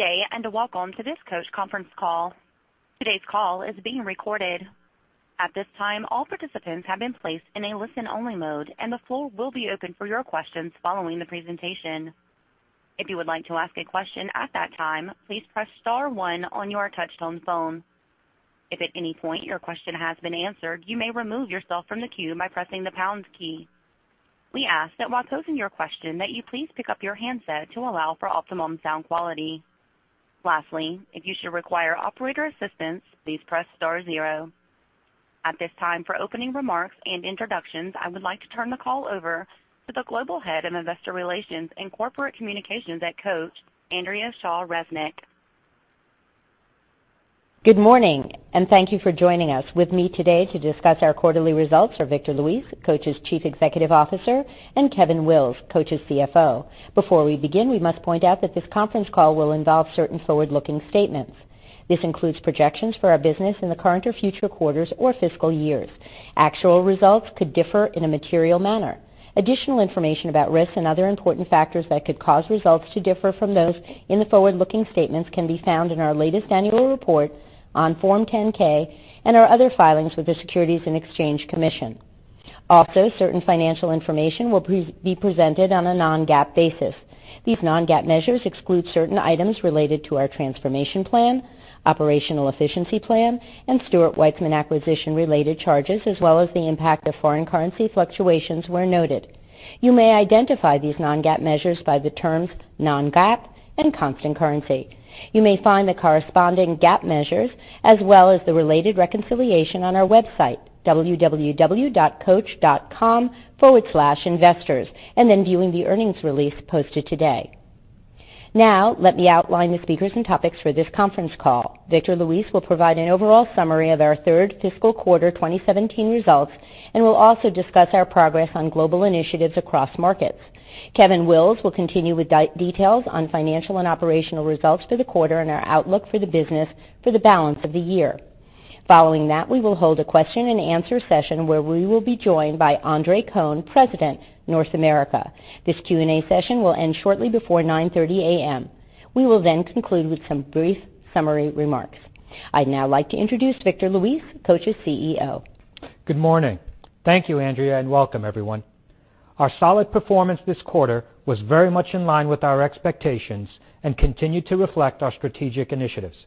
Good day. Welcome to this Coach conference call. Today's call is being recorded. At this time, all participants have been placed in a listen-only mode, and the floor will be open for your questions following the presentation. If you would like to ask a question at that time, please press star one on your touch-tone phone. If at any point your question has been answered, you may remove yourself from the queue by pressing the pound key. We ask that while posing your question that you please pick up your handset to allow for optimum sound quality. Lastly, if you should require operator assistance, please press star zero. At this time, for opening remarks and introductions, I would like to turn the call over to the Global Head of Investor Relations and Corporate Communications at Coach, Andrea Shaw Resnick. Good morning. Thank you for joining us. With me today to discuss our quarterly results are Victor Luis, Coach's Chief Executive Officer, and Kevin Wills, Coach's CFO. Before we begin, we must point out that this conference call will involve certain forward-looking statements. This includes projections for our business in the current or future quarters or fiscal years. Actual results could differ in a material manner. Additional information about risks and other important factors that could cause results to differ from those in the forward-looking statements can be found in our latest annual report on Form 10-K and our other filings with the Securities and Exchange Commission. Also, certain financial information will be presented on a non-GAAP basis. These non-GAAP measures exclude certain items related to our transformation plan, operational efficiency plan, and Stuart Weitzman acquisition-related charges, as well as the impact of foreign currency fluctuations where noted. You may identify these non-GAAP measures by the terms non-GAAP and constant currency. You may find the corresponding GAAP measures as well as the related reconciliation on our website, www.coach.com/investors, and then viewing the earnings release posted today. Now, let me outline the speakers and topics for this conference call. Victor Luis will provide an overall summary of our third fiscal quarter 2017 results and will also discuss our progress on global initiatives across markets. Kevin Wills will continue with details on financial and operational results for the quarter and our outlook for the business for the balance of the year. Following that, we will hold a question and answer session where we will be joined by Andre Cohen, President, North America. This Q&A session will end shortly before 9:30 A.M. We will then conclude with some brief summary remarks. I'd now like to introduce Victor Luis, Coach's CEO. Good morning. Thank you, Andrea. Welcome everyone. Our solid performance this quarter was very much in line with our expectations and continued to reflect our strategic initiatives.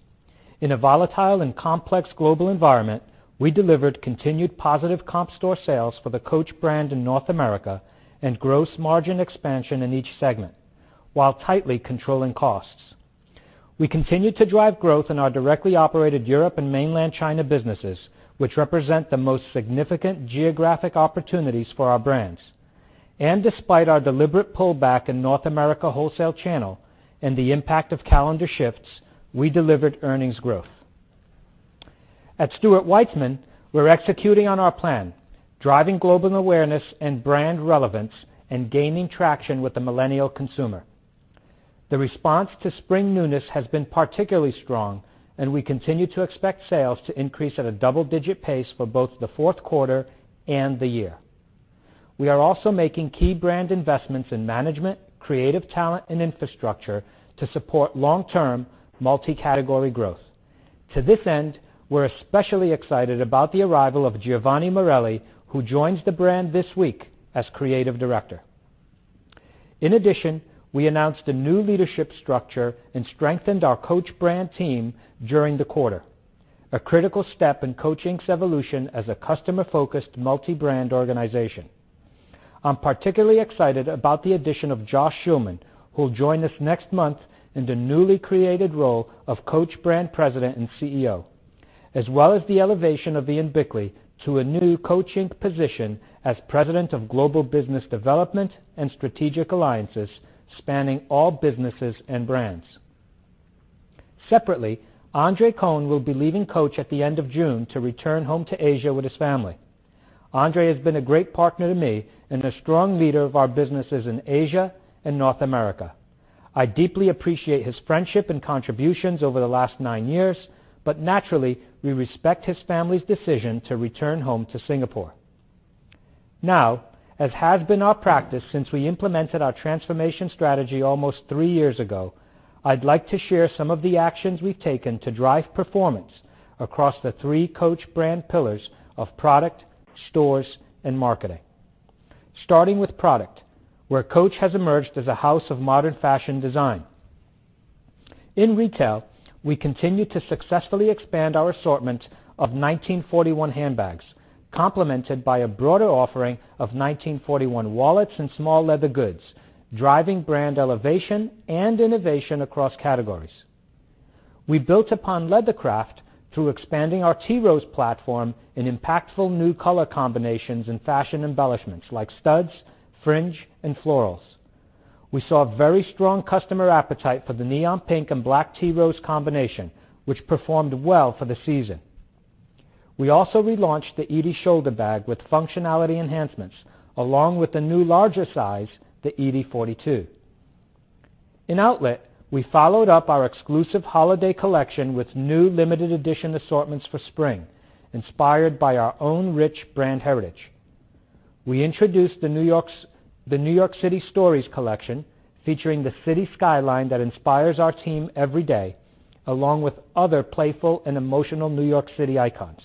In a volatile and complex global environment, we delivered continued positive comp store sales for the Coach brand in North America and gross margin expansion in each segment, while tightly controlling costs. We continued to drive growth in our directly operated Europe and Mainland China businesses, which represent the most significant geographic opportunities for our brands. Despite our deliberate pullback in North America wholesale channel and the impact of calendar shifts, we delivered earnings growth. At Stuart Weitzman, we're executing on our plan, driving global awareness and brand relevance, and gaining traction with the millennial consumer. The response to spring newness has been particularly strong, and we continue to expect sales to increase at a double-digit pace for both the fourth quarter and the year. We are also making key brand investments in management, creative talent, and infrastructure to support long-term, multi-category growth. To this end, we're especially excited about the arrival of Giovanni Morelli, who joins the brand this week as Creative Director. In addition, we announced a new leadership structure and strengthened our Coach brand team during the quarter, a critical step in Coach, Inc.'s evolution as a customer-focused, multi-brand organization. I'm particularly excited about the addition of Josh Schulman, who'll join us next month in the newly created role of Coach Brand President and CEO, as well as the elevation of Ian Bickley to a new Coach, Inc. position as President of Global Business Development and Strategic Alliances, spanning all businesses and brands. Separately, Andre Cohen will be leaving Coach at the end of June to return home to Asia with his family. Andre has been a great partner to me and a strong leader of our businesses in Asia and North America. I deeply appreciate his friendship and contributions over the last nine years, but naturally, we respect his family's decision to return home to Singapore. As has been our practice since we implemented our transformation strategy almost three years ago, I'd like to share some of the actions we've taken to drive performance across the three Coach brand pillars of product, stores, and marketing. Starting with product, where Coach has emerged as a house of modern fashion design. In retail, we continue to successfully expand our assortment of 1941 handbags, complemented by a broader offering of 1941 wallets and small leather goods, driving brand elevation and innovation across categories. We built upon leathercraft through expanding our Tea Rose platform in impactful new color combinations and fashion embellishments like studs, fringe, and florals. We saw a very strong customer appetite for the neon pink and black Tea Rose combination, which performed well for the season. We also relaunched the Edie shoulder bag with functionality enhancements, along with a new larger size, the Edie 42. In outlet, we followed up our exclusive holiday collection with new limited edition assortments for spring, inspired by our own rich brand heritage. We introduced the New York City Stories Collection, featuring the city skyline that inspires our team every day, along with other playful and emotional New York City icons.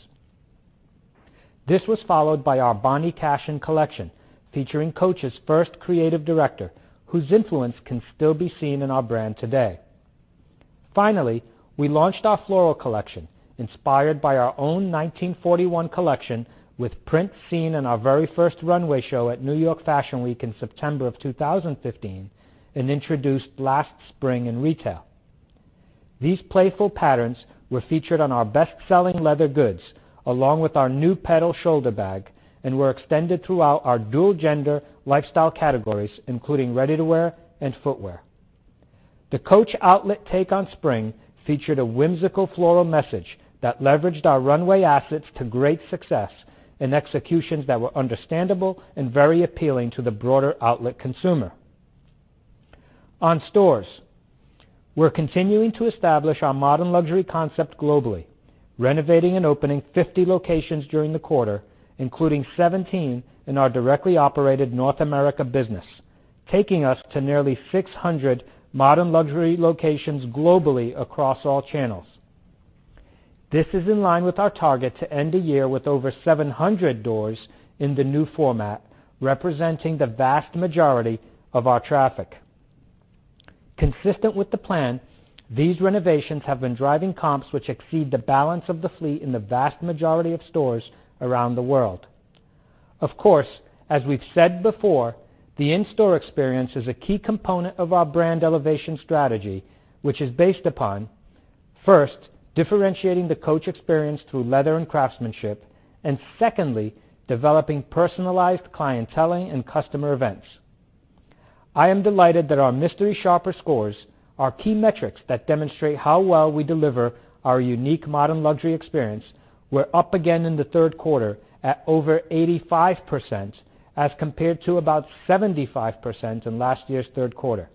This was followed by our Bonnie Cashin Collection, featuring Coach's first creative director, whose influence can still be seen in our brand today. We launched our floral collection, inspired by our own 1941 collection, with prints seen in our very first runway show at New York Fashion Week in September of 2015 and introduced last spring in retail. These playful patterns were featured on our best-selling leather goods, along with our new petal shoulder bag, and were extended throughout our dual-gender lifestyle categories, including ready-to-wear and footwear. The Coach outlet take on spring featured a whimsical floral message that leveraged our runway assets to great success in executions that were understandable and very appealing to the broader outlet consumer. On stores, we're continuing to establish our modern luxury concept globally, renovating and opening 50 locations during the quarter, including 17 in our directly operated North America business, taking us to nearly 600 modern luxury locations globally across all channels. This is in line with our target to end the year with over 700 doors in the new format, representing the vast majority of our traffic. Consistent with the plan, these renovations have been driving comps which exceed the balance of the fleet in the vast majority of stores around the world. Of course, as we've said before, the in-store experience is a key component of our brand elevation strategy, which is based upon, first, differentiating the Coach experience through leather and craftsmanship, and secondly, developing personalized clienteling and customer events. I am delighted that our mystery shopper scores, our key metrics that demonstrate how well we deliver our unique modern luxury experience, were up again in the third quarter at over 85% as compared to about 75% in last year's third quarter.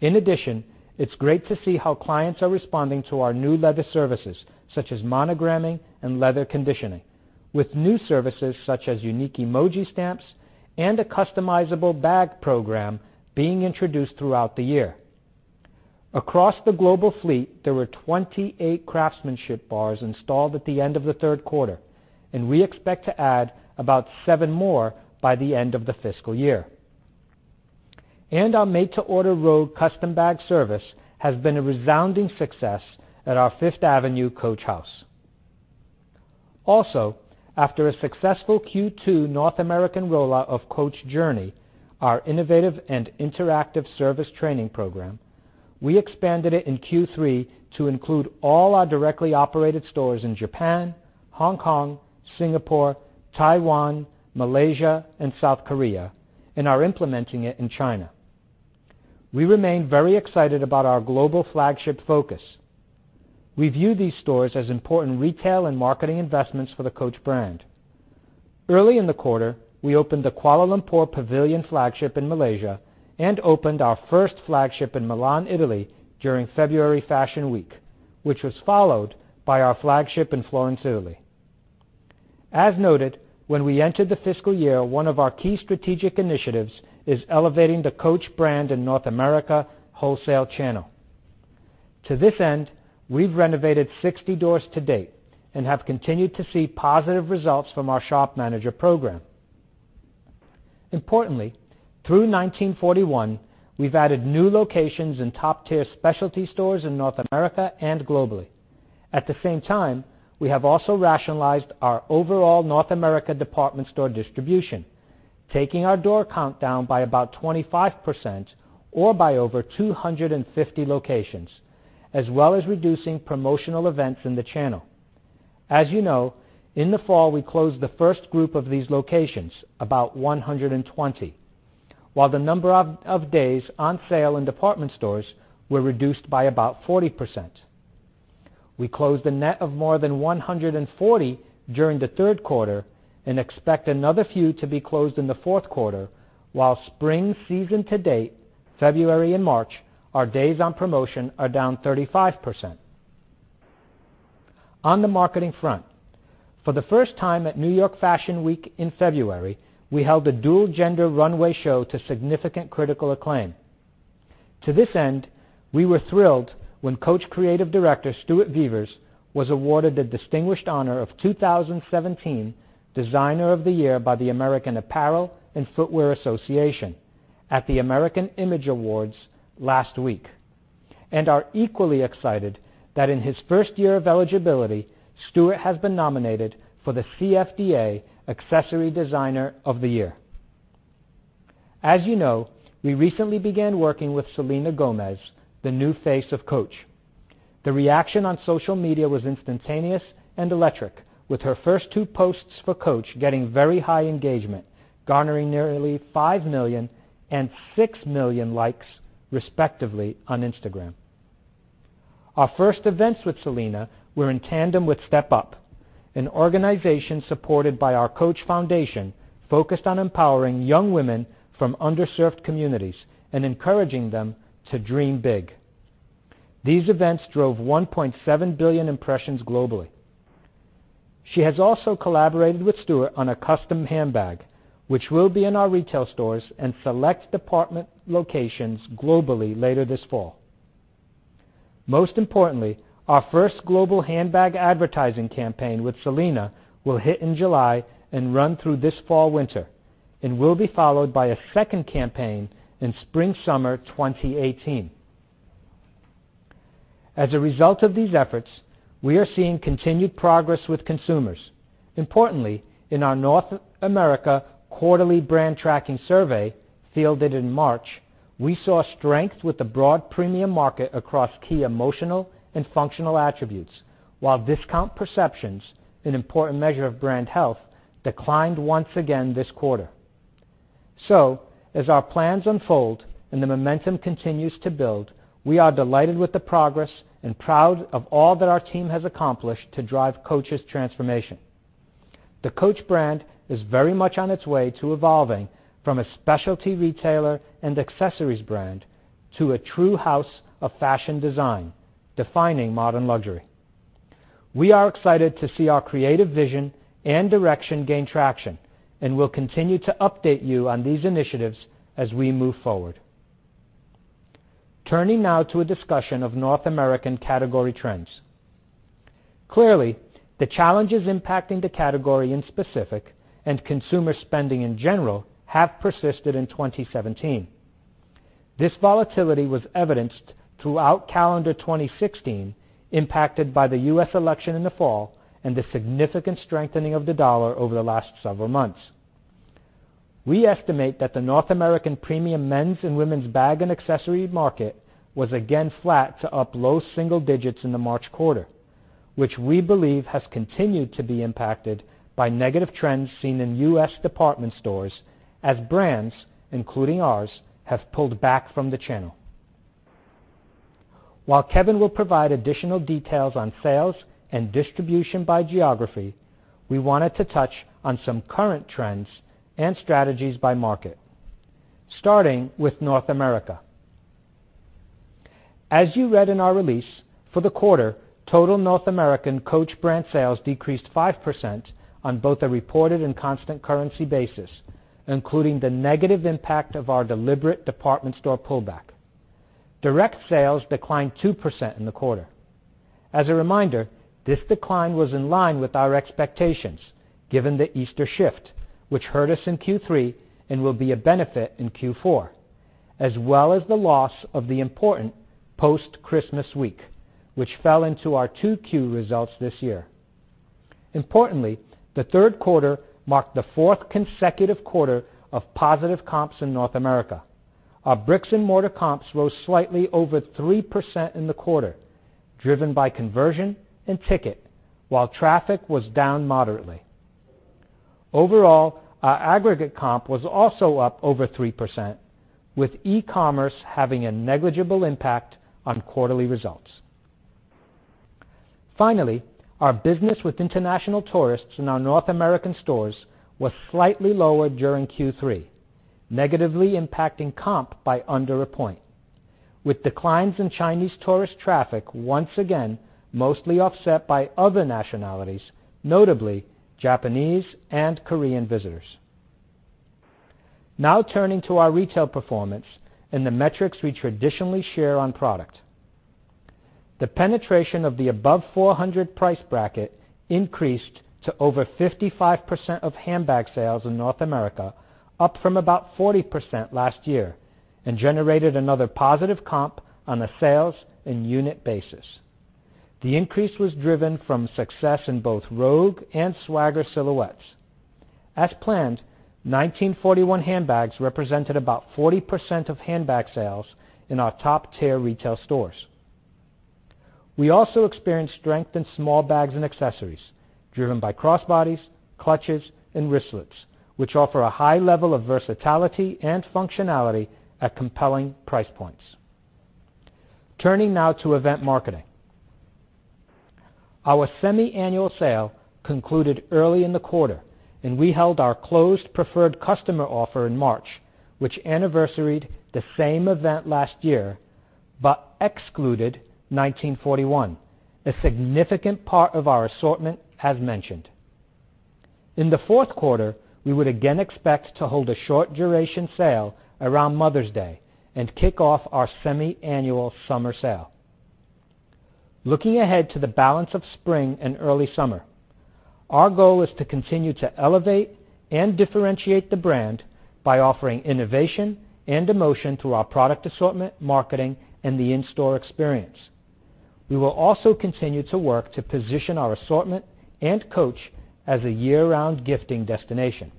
In addition, it's great to see how clients are responding to our new leather services, such as monogramming and leather conditioning, with new services such as unique emoji stamps and a customizable bag program being introduced throughout the year. Across the global fleet, there were 28 craftsmanship bars installed at the end of the third quarter, and we expect to add about seven more by the end of the fiscal year. Our made-to-order custom bag service has been a resounding success at our Fifth Avenue Coach House. Also, after a successful Q2 North American rollout of Coach Journey, our innovative and interactive service training program, we expanded it in Q3 to include all our directly operated stores in Japan, Hong Kong, Singapore, Taiwan, Malaysia, and South Korea, and are implementing it in China. We remain very excited about our global flagship focus. We view these stores as important retail and marketing investments for the Coach brand. Early in the quarter, we opened the Kuala Lumpur Pavilion flagship in Malaysia and opened our first flagship in Milan, Italy during February Fashion Week, which was followed by our flagship in Florence, Italy. As noted, when we entered the fiscal year, one of our key strategic initiatives is elevating the Coach brand in North America wholesale channel. To this end, we've renovated 60 doors to date and have continued to see positive results from our shop manager program. Importantly, through 1941, we've added new locations in top-tier specialty stores in North America and globally. At the same time, we have also rationalized our overall North America department store distribution, taking our door count down by about 25%, or by over 250 locations, as well as reducing promotional events in the channel. As you know, in the fall, we closed the first group of these locations, about 120, while the number of days on sale in department stores were reduced by about 40%. We closed a net of more than 140 during the third quarter and expect another few to be closed in the fourth quarter, while spring season to date, February and March, our days on promotion are down 35%. On the marketing front, for the first time at New York Fashion Week in February, we held a dual-gender runway show to significant critical acclaim. To this end, we were thrilled when Coach Creative Director Stuart Vevers was awarded the distinguished honor of 2017 Designer of the Year by the American Apparel & Footwear Association at the American Image Awards last week, and are equally excited that in his first year of eligibility, Stuart has been nominated for the CFDA Accessory Designer of the Year. As you know, we recently began working with Selena Gomez, the new face of Coach. The reaction on social media was instantaneous and electric, with her first two posts for Coach getting very high engagement, garnering nearly 5 million and 6 million likes, respectively, on Instagram. Our first events with Selena were in tandem with Step Up, an organization supported by our Coach Foundation, focused on empowering young women from underserved communities and encouraging them to dream big. These events drove 1.7 billion impressions globally. She has also collaborated with Stuart on a custom handbag, which will be in our retail stores and select department locations globally later this fall. Most importantly, our first global handbag advertising campaign with Selena will hit in July and run through this fall/winter, and will be followed by a second campaign in spring/summer 2018. As a result of these efforts, we are seeing continued progress with consumers. Importantly, in our North America quarterly brand tracking survey, fielded in March, we saw strength with the broad premium market across key emotional and functional attributes. While discount perceptions, an important measure of brand health, declined once again this quarter. As our plans unfold and the momentum continues to build, we are delighted with the progress and proud of all that our team has accomplished to drive Coach's transformation. The Coach brand is very much on its way to evolving from a specialty retailer and accessories brand to a true house of fashion design, defining modern luxury. We are excited to see our creative vision and direction gain traction, and we'll continue to update you on these initiatives as we move forward. Turning now to a discussion of North American category trends. Clearly, the challenges impacting the category in specific and consumer spending in general have persisted in 2017. This volatility was evidenced throughout calendar 2016, impacted by the U.S. election in the fall and the significant strengthening of the dollar over the last several months. We estimate that the North American premium men's and women's bag and accessory market was again flat to up low single digits in the March quarter, which we believe has continued to be impacted by negative trends seen in U.S. department stores as brands, including ours, have pulled back from the channel. While Kevin will provide additional details on sales and distribution by geography, we wanted to touch on some current trends and strategies by market, starting with North America. As you read in our release, for the quarter, total North American Coach brand sales decreased 5% on both a reported and constant currency basis, including the negative impact of our deliberate department store pullback. Direct sales declined 2% in the quarter. As a reminder, this decline was in line with our expectations, given the Easter shift, which hurt us in Q3 and will be a benefit in Q4, as well as the loss of the important post-Christmas week, which fell into our 2Q results this year. Importantly, the third quarter marked the fourth consecutive quarter of positive comps in North America. Our bricks-and-mortar comps rose slightly over 3% in the quarter, driven by conversion and ticket, while traffic was down moderately. Overall, our aggregate comp was also up over 3%, with e-commerce having a negligible impact on quarterly results. Finally, our business with international tourists in our North American stores was slightly lower during Q3, negatively impacting comp by under a point, with declines in Chinese tourist traffic once again mostly offset by other nationalities, notably Japanese and Korean visitors. Turning to our retail performance and the metrics we traditionally share on product. The penetration of the above 400 price bracket increased to over 55% of handbag sales in North America, up from about 40% last year, and generated another positive comp on a sales and unit basis. The increase was driven from success in both Rogue and Swagger silhouettes. As planned, 1941 handbags represented about 40% of handbag sales in our top-tier retail stores. We also experienced strength in small bags and accessories driven by crossbodies, clutches, and wristlets, which offer a high level of versatility and functionality at compelling price points. Turning now to event marketing. Our semi-annual sale concluded early in the quarter, and we held our closed preferred customer offer in March, which anniversaried the same event last year, but excluded 1941, a significant part of our assortment, as mentioned. In the fourth quarter, we would again expect to hold a short duration sale around Mother's Day and kick off our semi-annual summer sale. Looking ahead to the balance of spring and early summer, our goal is to continue to elevate and differentiate the brand by offering innovation and emotion through our product assortment, marketing, and the in-store experience. We will also continue to work to position our assortment and Coach as a year-round gifting destination.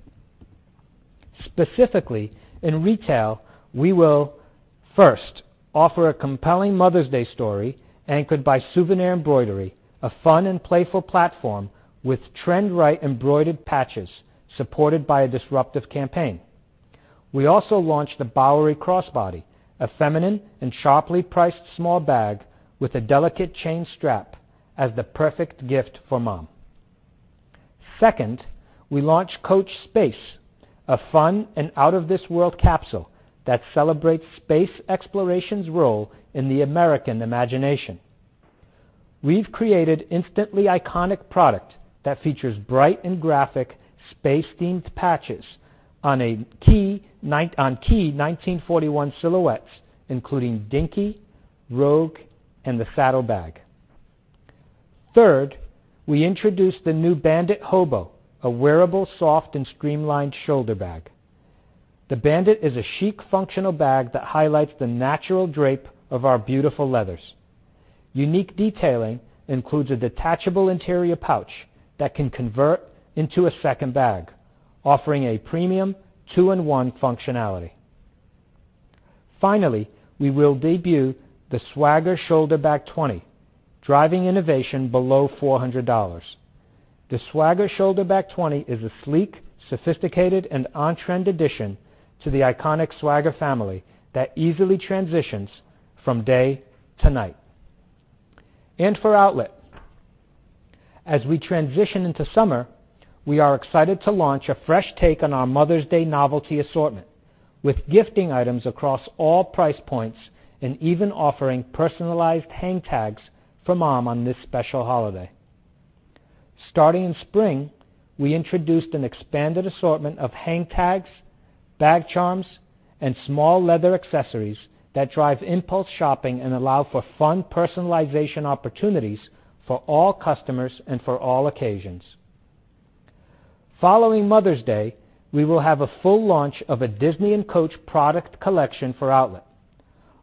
Specifically, in retail, we will first offer a compelling Mother's Day story anchored by souvenir embroidery, a fun and playful platform with trend-right embroidered patches, supported by a disruptive campaign. We also launched the Bowery Crossbody, a feminine and sharply priced small bag with a delicate chain strap as the perfect gift for mom. Second, we launched Coach Space, a fun and out-of-this-world capsule that celebrates space exploration's role in the American imagination. We've created instantly iconic product that features bright and graphic space-themed patches on key 1941 silhouettes, including Dinky, Rogue, and the Saddle Bag. Third, we introduced the new Bandit Hobo, a wearable, soft, and streamlined shoulder bag. The Bandit is a chic, functional bag that highlights the natural drape of our beautiful leathers. Unique detailing includes a detachable interior pouch that can convert into a second bag, offering a premium two-in-one functionality. Finally, we will debut the Swagger Shoulder Bag 20, driving innovation below $400. The Swagger Shoulder Bag 20 is a sleek, sophisticated, and on-trend addition to the iconic Swagger family that easily transitions from day to night. For outlet, as we transition into summer, we are excited to launch a fresh take on our Mother's Day novelty assortment, with gifting items across all price points and even offering personalized hang tags for mom on this special holiday. Starting in spring, we introduced an expanded assortment of hang tags, bag charms, and small leather accessories that drive impulse shopping and allow for fun personalization opportunities for all customers and for all occasions. Following Mother's Day, we will have a full launch of a Disney and Coach product collection for outlet,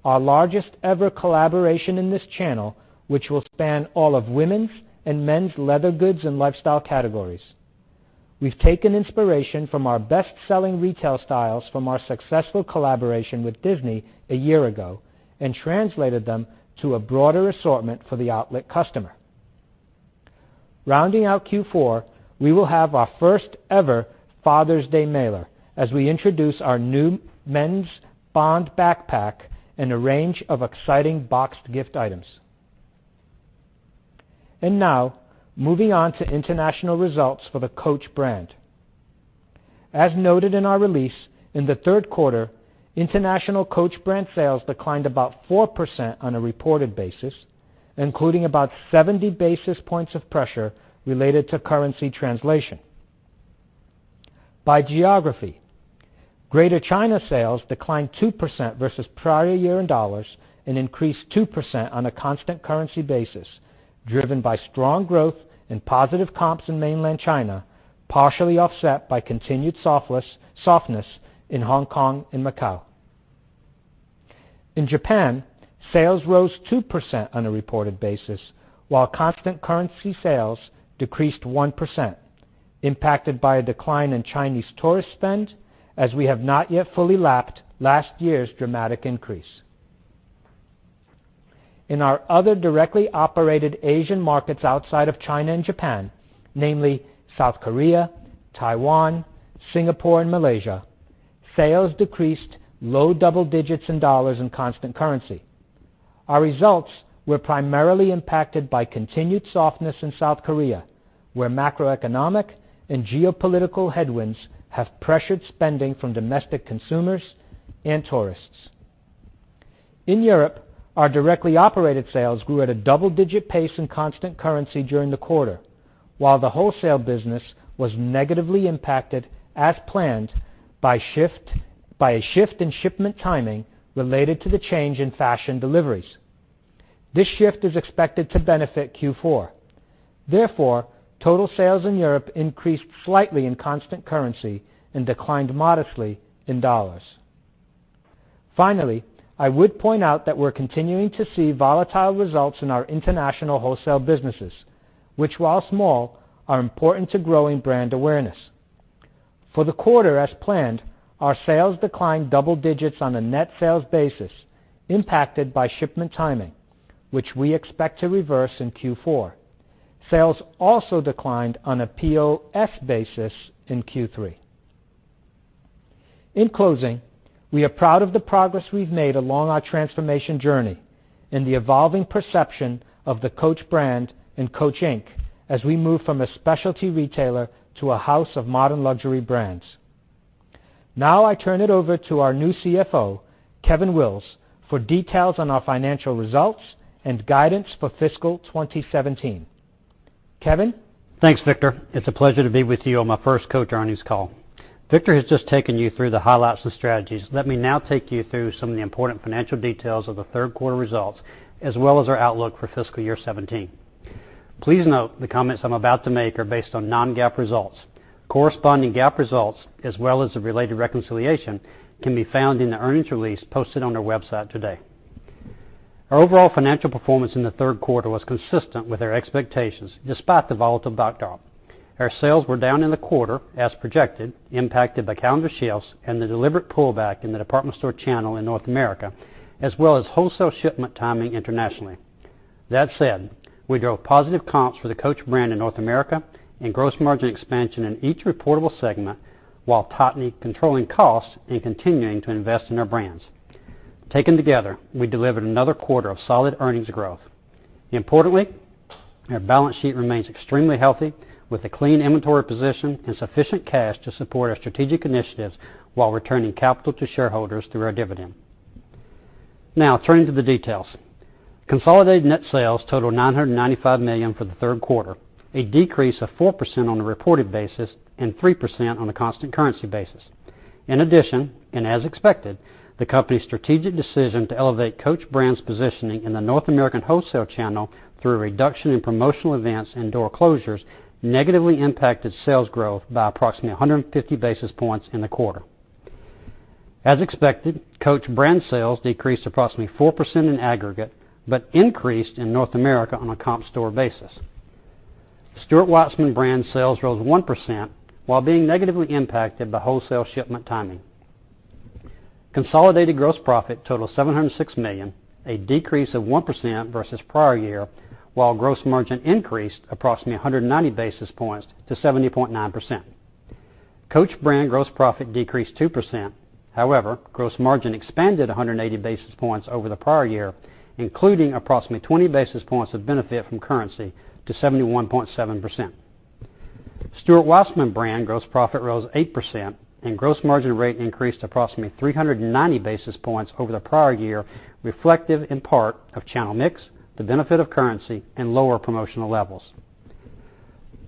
our largest ever collaboration in this channel, which will span all of women's and men's leather goods and lifestyle categories. We've taken inspiration from our best-selling retail styles from our successful collaboration with Disney a year ago and translated them to a broader assortment for the outlet customer. Rounding out Q4, we will have our first ever Father's Day mailer as we introduce our new men's Bond backpack in a range of exciting boxed gift items. Now, moving on to international results for the Coach brand. As noted in our release, in the third quarter, international Coach brand sales declined about 4% on a reported basis, including about 70 basis points of pressure related to currency translation. By geography, Greater China sales declined 2% versus prior year in dollars and increased 2% on a constant currency basis, driven by strong growth in positive comps in mainland China, partially offset by continued softness in Hong Kong and Macau. In Japan, sales rose 2% on a reported basis, while constant currency sales decreased 1%, impacted by a decline in Chinese tourist spend, as we have not yet fully lapped last year's dramatic increase. In our other directly operated Asian markets outside of China and Japan, namely South Korea, Taiwan, Singapore, and Malaysia, sales decreased low double digits in dollars in constant currency. Our results were primarily impacted by continued softness in South Korea, where macroeconomic and geopolitical headwinds have pressured spending from domestic consumers and tourists. In Europe, our directly operated sales grew at a double-digit pace in constant currency during the quarter, while the wholesale business was negatively impacted, as planned, by a shift in shipment timing related to the change in fashion deliveries. This shift is expected to benefit Q4. Total sales in Europe increased slightly in constant currency and declined modestly in dollars. Finally, I would point out that we're continuing to see volatile results in our international wholesale businesses, which, while small, are important to growing brand awareness. For the quarter, as planned, our sales declined double digits on a net sales basis, impacted by shipment timing, which we expect to reverse in Q4. Sales also declined on a POF basis in Q3. In closing, we are proud of the progress we've made along our transformation journey and the evolving perception of the Coach brand and Coach, Inc. as we move from a specialty retailer to a house of modern luxury brands. Now I turn it over to our new CFO, Kevin Wills, for details on our financial results and guidance for fiscal 2017. Kevin? Thanks, Victor. It's a pleasure to be with you on my first Coach earnings call. Victor has just taken you through the highlights and strategies. Let me now take you through some of the important financial details of the third quarter results, as well as our outlook for fiscal year 2017. Please note the comments I'm about to make are based on non-GAAP results. Corresponding GAAP results, as well as the related reconciliation, can be found in the earnings release posted on our website today. Our overall financial performance in the third quarter was consistent with our expectations, despite the volatile backdrop. Our sales were down in the quarter, as projected, impacted by calendar shifts and the deliberate pullback in the department store channel in North America, as well as wholesale shipment timing internationally. That said, we drove positive comps for the Coach brand in North America and gross margin expansion in each reportable segment while tightly controlling costs and continuing to invest in our brands. Taken together, we delivered another quarter of solid earnings growth. Importantly, our balance sheet remains extremely healthy with a clean inventory position and sufficient cash to support our strategic initiatives while returning capital to shareholders through our dividend. Now turning to the details. Consolidated net sales totaled $995 million for the third quarter, a decrease of 4% on a reported basis and 3% on a constant currency basis. In addition, and as expected, the company's strategic decision to elevate Coach brand's positioning in the North American wholesale channel through a reduction in promotional events and door closures negatively impacted sales growth by approximately 150 basis points in the quarter. As expected, Coach brand sales decreased approximately 4% in aggregate, but increased in North America on a comp store basis. Stuart Weitzman brand sales rose 1% while being negatively impacted by wholesale shipment timing. Consolidated gross profit totaled $706 million, a decrease of 1% versus prior year, while gross margin increased approximately 190 basis points to 70.9%. Coach brand gross profit decreased 2%. However, gross margin expanded 180 basis points over the prior year, including approximately 20 basis points of benefit from currency to 71.7%. Stuart Weitzman brand gross profit rose 8% and gross margin rate increased approximately 390 basis points over the prior year, reflective in part of channel mix, the benefit of currency, and lower promotional levels.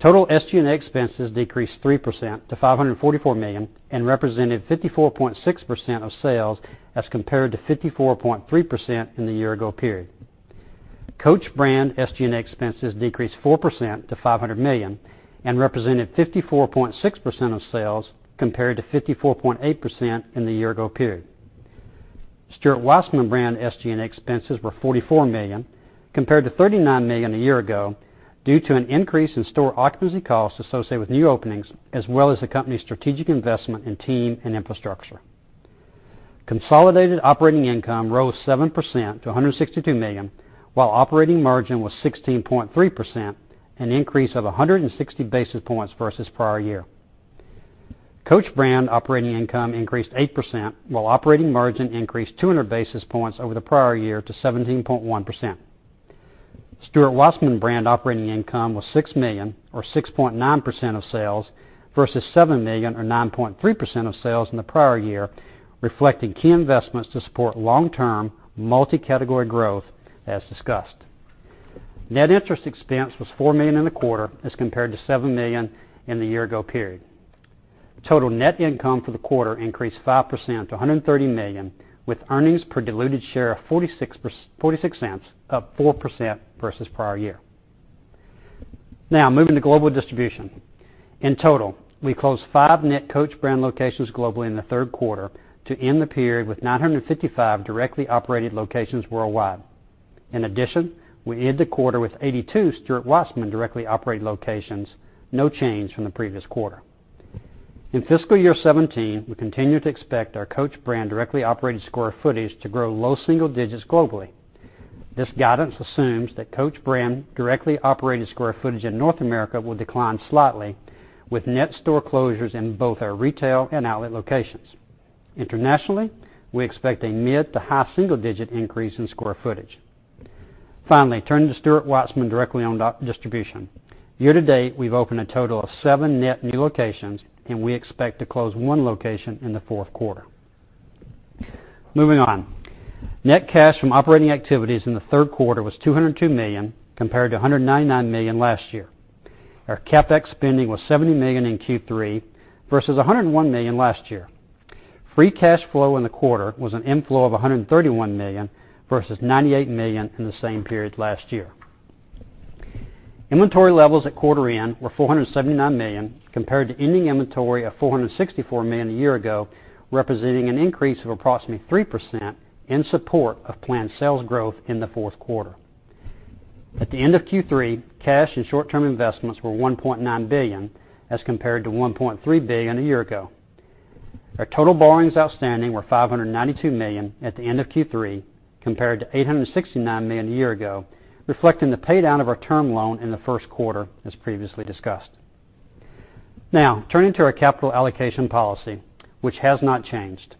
Total SG&A expenses decreased 3% to $544 million and represented 54.6% of sales as compared to 54.3% in the year-ago period. Coach brand SG&A expenses decreased 4% to $500 million and represented 54.6% of sales compared to 54.8% in the year-ago period. Stuart Weitzman brand SG&A expenses were $44 million compared to $39 million a year ago due to an increase in store occupancy costs associated with new openings, as well as the company's strategic investment in team and infrastructure. Consolidated operating income rose 7% to $162 million while operating margin was 16.3%, an increase of 160 basis points versus prior year. Coach brand operating income increased 8% while operating margin increased 200 basis points over the prior year to 17.1%. Stuart Weitzman brand operating income was $6 million or 6.9% of sales versus $7 million or 9.3% of sales in the prior year, reflecting key investments to support long-term multi-category growth, as discussed. Net interest expense was $4 million in the quarter as compared to $7 million in the year-ago period. Total net income for the quarter increased 5% to $130 million, with earnings per diluted share of $0.46, up 4% versus prior year. Moving to global distribution. In total, we closed 5 net Coach brand locations globally in the third quarter to end the period with 955 directly operated locations worldwide. In addition, we ended the quarter with 82 Stuart Weitzman directly operated locations, no change from the previous quarter. In FY 2017, we continue to expect our Coach brand directly operated square footage to grow low single digits globally. This guidance assumes that Coach brand directly operated square footage in North America will decline slightly, with net store closures in both our retail and outlet locations. Internationally, we expect a mid- to high single-digit increase in square footage. Turning to Stuart Weitzman directly owned distribution. Year-to-date, we've opened a total of seven net new locations, and we expect to close one location in the fourth quarter. Moving on. Net cash from operating activities in the third quarter was $202 million, compared to $199 million last year. Our CapEx spending was $70 million in Q3 versus $101 million last year. Free cash flow in the quarter was an inflow of $131 million versus $98 million in the same period last year. Inventory levels at quarter end were $479 million, compared to ending inventory of $464 million a year ago, representing an increase of approximately 3% in support of planned sales growth in the fourth quarter. At the end of Q3, cash and short-term investments were $1.9 billion as compared to $1.3 billion a year ago. Our total borrowings outstanding were $592 million at the end of Q3, compared to $869 million a year ago, reflecting the paydown of our term loan in the first quarter, as previously discussed. Turning to our capital allocation policy, which has not changed.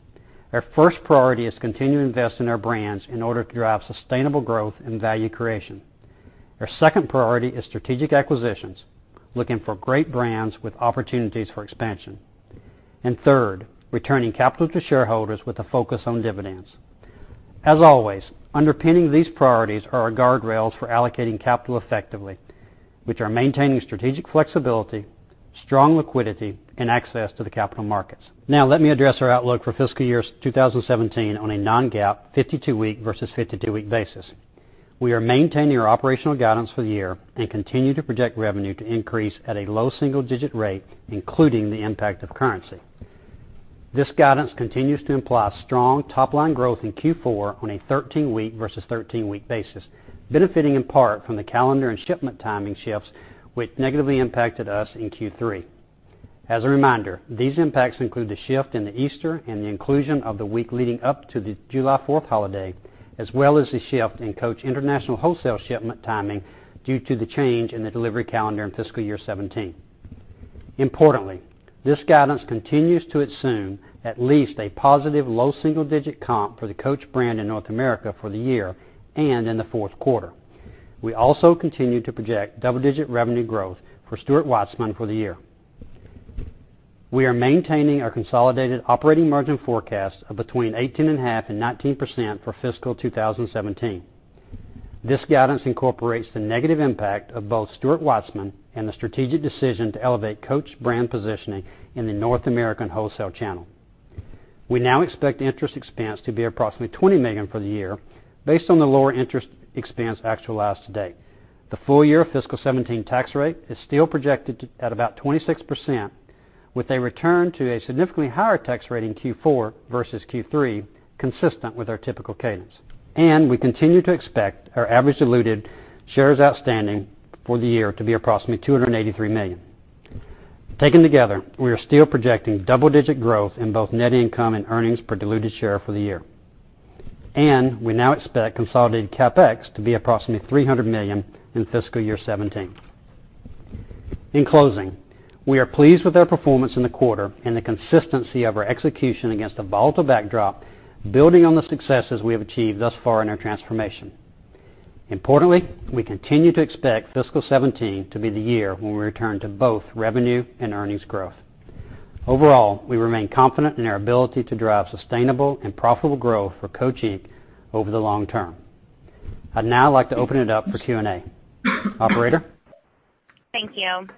Our first priority is continue to invest in our brands in order to drive sustainable growth and value creation. Our second priority is strategic acquisitions, looking for great brands with opportunities for expansion. Third, returning capital to shareholders with a focus on dividends. As always, underpinning these priorities are our guardrails for allocating capital effectively, which are maintaining strategic flexibility, strong liquidity, and access to the capital markets. Let me address our outlook for FY 2017 on a non-GAAP 52-week versus 52-week basis. We are maintaining our operational guidance for the year and continue to project revenue to increase at a low single-digit rate, including the impact of currency. This guidance continues to imply strong top-line growth in Q4 on a 13-week versus 13-week basis, benefiting in part from the calendar and shipment timing shifts which negatively impacted us in Q3. As a reminder, these impacts include the shift in the Easter and the inclusion of the week leading up to the July 4th holiday, as well as the shift in Coach international wholesale shipment timing due to the change in the delivery calendar in FY 2017. Importantly, this guidance continues to assume at least a positive low single-digit comp for the Coach brand in North America for the year and in the fourth quarter. We also continue to project double-digit revenue growth for Stuart Weitzman for the year. We are maintaining our consolidated operating margin forecast of between 18.5% and 19% for fiscal 2017. This guidance incorporates the negative impact of both Stuart Weitzman and the strategic decision to elevate Coach brand positioning in the North American wholesale channel. We now expect interest expense to be approximately $20 million for the year based on the lower interest expense actualized to date. The full-year fiscal 2017 tax rate is still projected at about 26%, with a return to a significantly higher tax rate in Q4 versus Q3, consistent with our typical cadence. We continue to expect our average diluted shares outstanding for the year to be approximately $283 million. Taken together, we are still projecting double-digit growth in both net income and earnings per diluted share for the year. We now expect consolidated CapEx to be approximately $300 million in fiscal year 2017. In closing, we are pleased with our performance in the quarter and the consistency of our execution against a volatile backdrop, building on the successes we have achieved thus far in our transformation. Importantly, we continue to expect fiscal 2017 to be the year when we return to both revenue and earnings growth. Overall, we remain confident in our ability to drive sustainable and profitable growth for Coach, Inc. over the long term. I'd now like to open it up for Q&A. Operator? Thank you.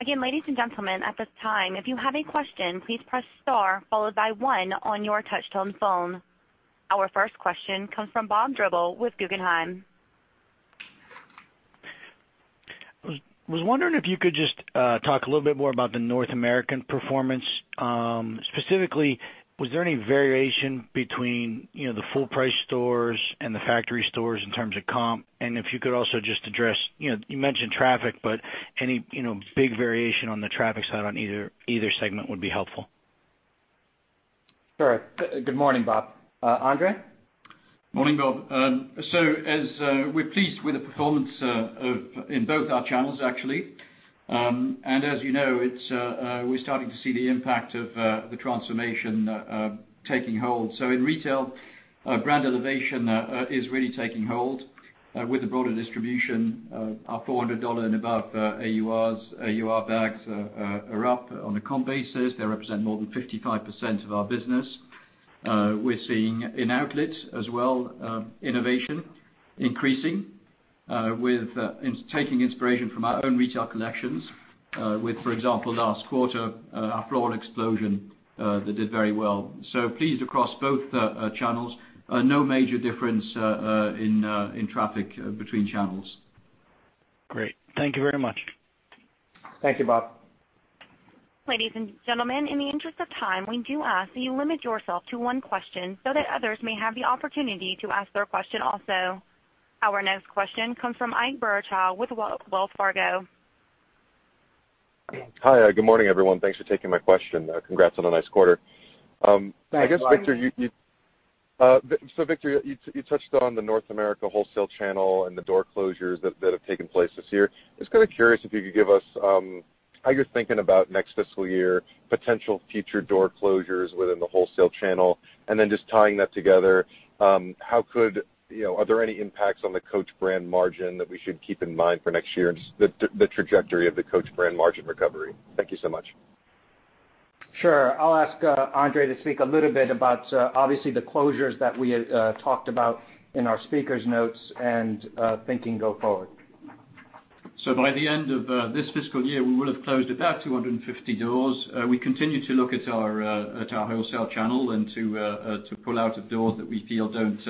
Again, ladies and gentlemen, at this time, if you have a question, please press star followed by one on your touch-tone phone. Our first question comes from Bob Drbul with Guggenheim. Was wondering if you could just talk a little bit more about the North American performance. Specifically, was there any variation between the full-price stores and the factory stores in terms of comp? If you could also just address, you mentioned traffic, but any big variation on the traffic side on either segment would be helpful. Sure. Good morning, Bob. Andre? Morning, Bob. As we're pleased with the performance in both our channels, actually. As you know, we're starting to see the impact of the transformation taking hold. In retail, brand elevation is really taking hold with the broader distribution of $400 and above AUR bags are up on a comp basis. They represent more than 55% of our business. We're seeing in outlets as well innovation increasing with taking inspiration from our own retail collections with, for example, last quarter, our floral explosion that did very well. Pleased across both channels. No major difference in traffic between channels. Great. Thank you very much. Thank you, Bob. Ladies and gentlemen, in the interest of time, we do ask that you limit yourself to one question so that others may have the opportunity to ask their question also. Our next question comes from Ike Boruchow with Wells Fargo. Hi, good morning, everyone. Thanks for taking my question. Congrats on a nice quarter. Thanks, Ike. Victor, you touched on the North America wholesale channel and the door closures that have taken place this year. Just kind of curious if you could give us how you're thinking about next fiscal year, potential future door closures within the wholesale channel, and then just tying that together, are there any impacts on the Coach brand margin that we should keep in mind for next year and just the trajectory of the Coach brand margin recovery? Thank you so much. Sure. I'll ask Andre to speak a little bit about, obviously, the closures that we had talked about in our speakers' notes and thinking go forward. By the end of this fiscal year, we will have closed about 250 doors. We continue to look at our wholesale channel and to pull out doors that we feel don't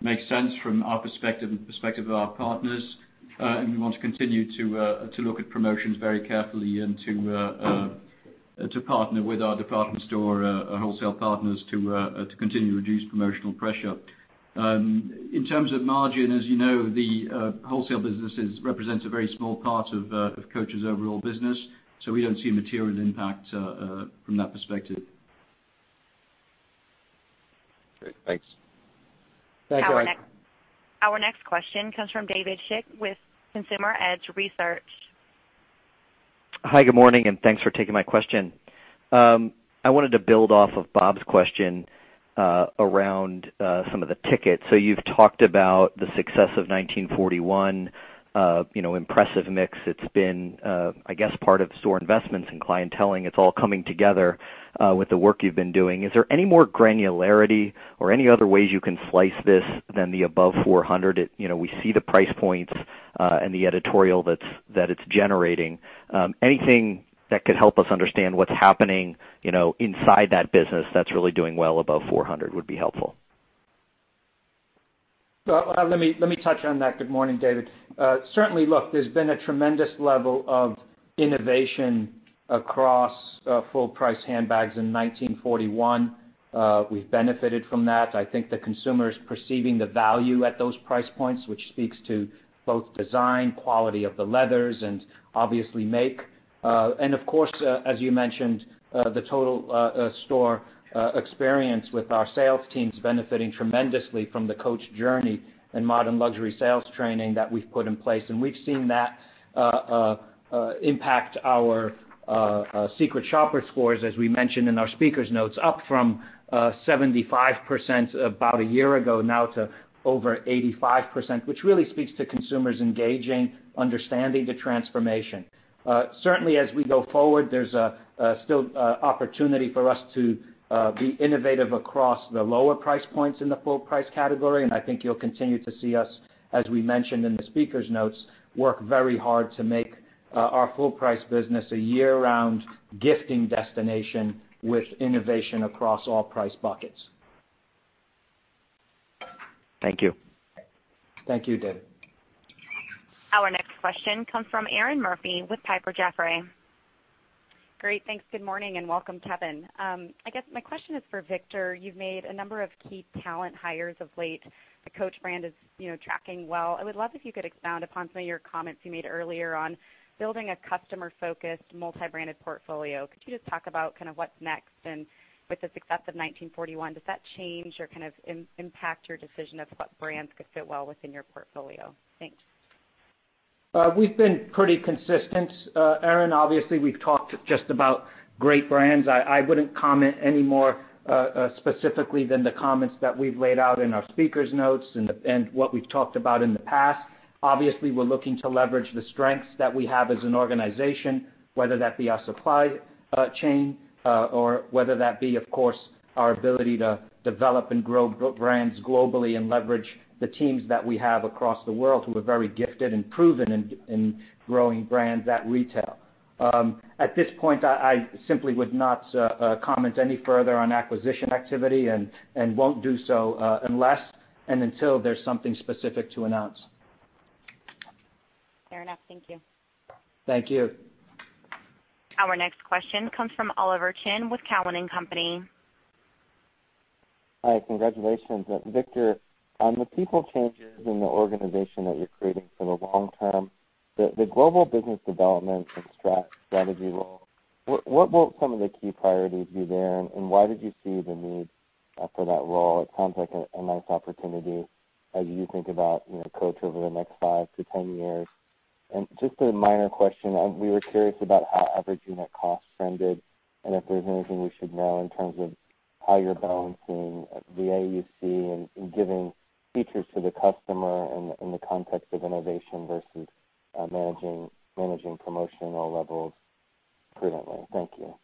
make sense from our perspective and the perspective of our partners. We want to continue to look at promotions very carefully and to partner with our department store wholesale partners to continue to reduce promotional pressure. In terms of margin, as you know, the wholesale businesses represents a very small part of Coach's overall business. We don't see a material impact from that perspective. Great. Thanks. Thanks, Ike. Our next question comes from David Schick with Consumer Edge Research. Hi, good morning. Thanks for taking my question. You've talked about the success of 1941, impressive mix it's been, I guess part of store investments and clienteling. It's all coming together with the work you've been doing. Is there any more granularity or any other ways you can slice this than the above $400? We see the price points and the editorial that it's generating. Anything that could help us understand what's happening inside that business that's really doing well above $400 would be helpful. Let me touch on that. Good morning, David. Certainly, look, there's been a tremendous level of innovation across full-price handbags in 1941. We've benefited from that. I think the consumer is perceiving the value at those price points, which speaks to both design, quality of the leathers, and obviously make. Of course, as you mentioned, the total store experience with our sales teams benefiting tremendously from the Coach Journey and modern luxury sales training that we've put in place. We've seen that impact our secret shopper scores, as we mentioned in our speakers notes, up from 75% about a year ago now to over 85%, which really speaks to consumers engaging, understanding the transformation. Certainly, as we go forward, there's still opportunity for us to be innovative across the lower price points in the full price category. I think you'll continue to see us, as we mentioned in the speakers notes, work very hard to make our full price business a year-round gifting destination with innovation across all price buckets. Thank you. Thank you, David. Our next question comes from Erinn Murphy with Piper Jaffray. Great. Thanks. Good morning and welcome, Kevin. I guess my question is for Victor. You've made a number of key talent hires of late. The Coach brand is tracking well. I would love if you could expound upon some of your comments you made earlier on building a customer-focused, multi-branded portfolio. Could you just talk about what's next? With the success of 1941, does that change or kind of impact your decision of what brands could fit well within your portfolio? Thanks. We've been pretty consistent, Erinn. Obviously, we've talked just about great brands. I wouldn't comment any more specifically than the comments that we've laid out in our speakers notes and what we've talked about in the past. Obviously, we're looking to leverage the strengths that we have as an organization, whether that be our supply chain or whether that be, of course, our ability to develop and grow brands globally and leverage the teams that we have across the world who are very gifted and proven in growing brands at retail. At this point, I simply would not comment any further on acquisition activity and won't do so unless and until there's something specific to announce. Fair enough. Thank you. Thank you. Our next question comes from Oliver Chen with Cowen and Company. Hi. Congratulations. Victor, on the people changes in the organization that you're creating for the long term, the global business development and strategy role, what will some of the key priorities be there, and why did you see the need for that role? It sounds like a nice opportunity as you think about Coach over the next 5-10 years. Just a minor question, we were curious about how average unit cost trended and if there's anything we should know in terms of how you're balancing the AUC and giving features to the customer in the context of innovation versus managing promotional levels prudently. Thank you.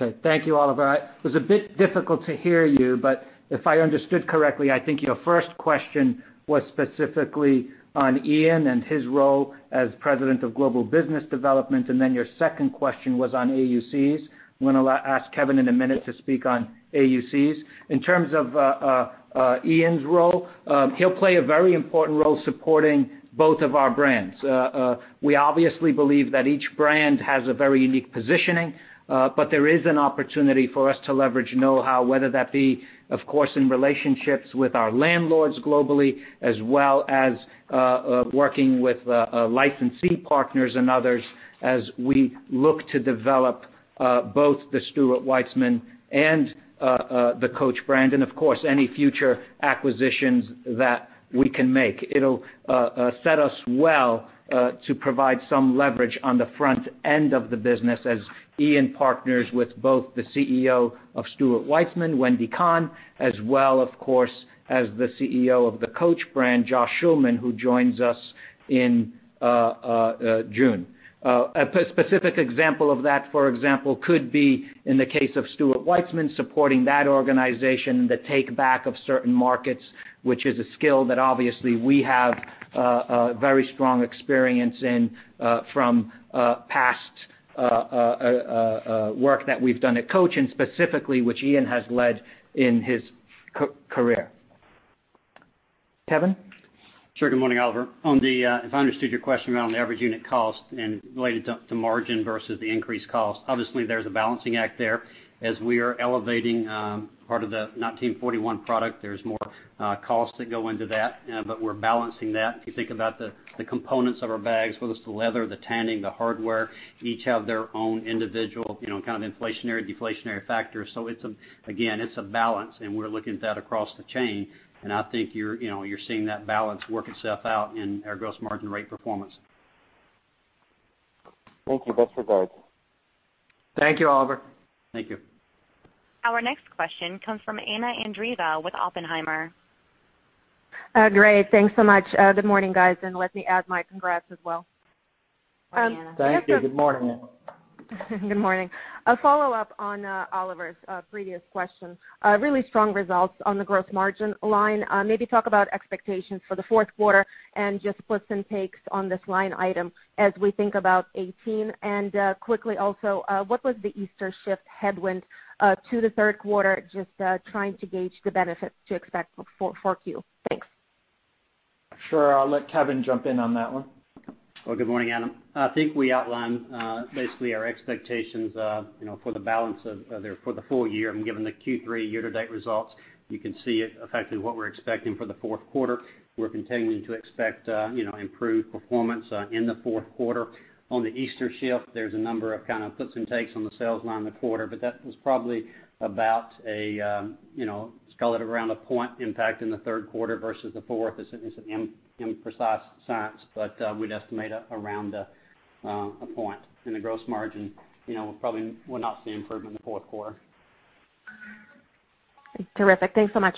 Okay. Thank you, Oliver. It was a bit difficult to hear you, but if I understood correctly, I think your first question was specifically on Ian and his role as President of Global Business Development, then your second question was on AUCs. I'm going to ask Kevin in a minute to speak on AUCs. In terms of Ian's role, he'll play a very important role supporting both of our brands. We obviously believe that each brand has a very unique positioning. There is an opportunity for us to leverage knowhow, whether that be, of course, in relationships with our landlords globally, as well as working with licensee partners and others as we look to develop both the Stuart Weitzman and the Coach brand and, of course, any future acquisitions that we can make. It'll set us well to provide some leverage on the front end of the business as Ian partners with both the CEO of Stuart Weitzman, Wendy Kahn, as well, of course, as the CEO of the Coach brand, Josh Schulman, who joins us in June. A specific example of that, for example, could be in the case of Stuart Weitzman supporting that organization, the take-back of certain markets, which is a skill that obviously we have very strong experience in from past work that we've done at Coach and specifically, which Ian has led in his career. Kevin? Sure. Good morning, Oliver. If I understood your question around the average unit cost and related to margin versus the increased cost, obviously, there's a balancing act there. As we are elevating part of the 1941 product, there's more costs that go into that, but we're balancing that. If you think about the components of our bags, whether it's the leather, the tanning, the hardware, each have their own individual kind of inflationary, deflationary factors. Again, it's a balance, and we're looking at that across the chain, and I think you're seeing that balance work itself out in our gross margin rate performance. Thank you. Best regards. Thank you, Oliver. Thank you. Our next question comes from Anna Andreeva with Oppenheimer. Great. Thanks so much. Good morning, guys, let me add my congrats as well. Thank you. Good morning, Anna. Good morning. A follow-up on Oliver's previous question. Really strong results on the gross margin line. Maybe talk about expectations for the fourth quarter and just splits and takes on this line item as we think about 2018. Quickly also, what was the Easter shift headwind to the third quarter? Just trying to gauge the benefits to expect for 4Q. Thanks. Sure. I'll let Kevin jump in on that one. Well, good morning, Anna. I think we outlined basically our expectations for the balance of the full year. Given the Q3 year-to-date results, you can see it effectively what we're expecting for the fourth quarter. We're continuing to expect improved performance in the fourth quarter. On the Easter shift, there's a number of kind of puts and takes on the sales line the quarter, but that was probably about a, let's call it around a point impact in the third quarter versus the fourth. It's an imprecise science, but we'd estimate around a point in the gross margin. We probably will not see improvement in the fourth quarter. Terrific. Thanks so much.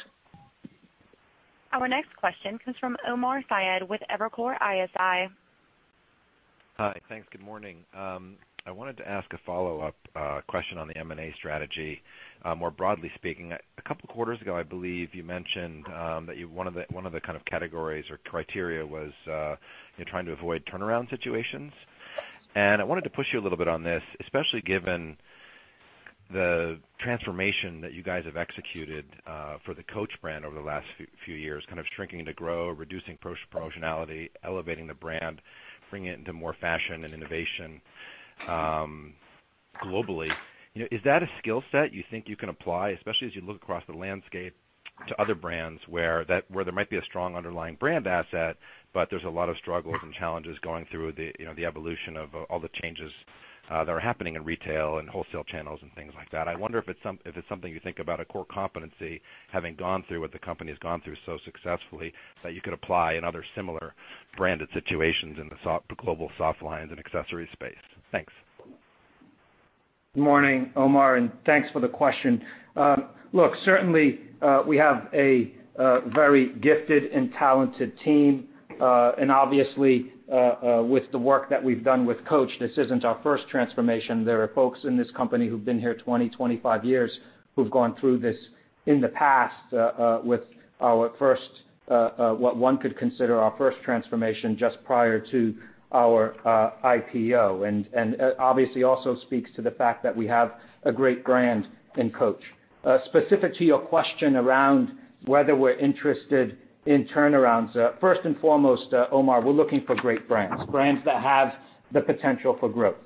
Our next question comes from Omar Saad with Evercore ISI. Hi. Thanks. Good morning. I wanted to ask a follow-up question on the M&A strategy. More broadly speaking, a couple of quarters ago, I believe you mentioned that one of the kind of categories or criteria was you're trying to avoid turnaround situations. I wanted to push you a little bit on this, especially given the transformation that you guys have executed for the Coach brand over the last few years, kind of shrinking to grow, reducing promotionality, elevating the brand, bringing it into more fashion and innovation globally. Is that a skill set you think you can apply, especially as you look across the landscape to other brands where there might be a strong underlying brand asset, but there's a lot of struggles and challenges going through the evolution of all the changes that are happening in retail and wholesale channels and things like that. I wonder if it's something you think about a core competency having gone through what the company has gone through so successfully that you could apply in other similar branded situations in the global softlines and accessories space. Thanks. Good morning, Omar, thanks for the question. Look, certainly, we have a very gifted and talented team. Obviously, with the work that we've done with Coach, this isn't our first transformation. There are folks in this company who've been here 20, 25 years, who've gone through this in the past, with what one could consider our first transformation just prior to our IPO. Obviously also speaks to the fact that we have a great brand in Coach. Specific to your question around whether we're interested in turnarounds. First and foremost, Omar, we're looking for great brands that have the potential for growth.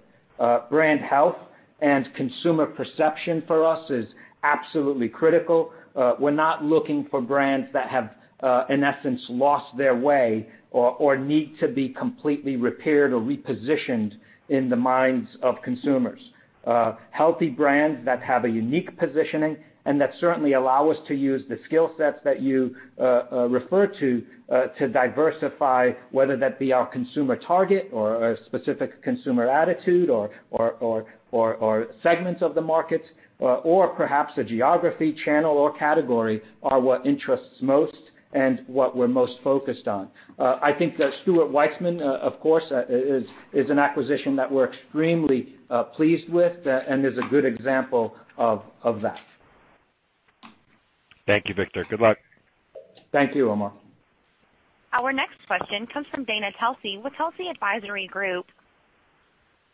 Brand health and consumer perception for us is absolutely critical. We're not looking for brands that have, in essence, lost their way or need to be completely repaired or repositioned in the minds of consumers. Healthy brands that have a unique positioning and that certainly allow us to use the skill sets that you refer to diversify, whether that be our consumer target or a specific consumer attitude or segments of the markets or perhaps a geography channel or category are what interests most and what we're most focused on. I think that Stuart Weitzman, of course, is an acquisition that we're extremely pleased with and is a good example of that. Thank you, Victor. Good luck. Thank you, Omar. Our next question comes from Dana Telsey with Telsey Advisory Group.